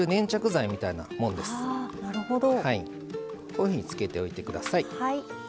こういうふうにつけておいて下さい。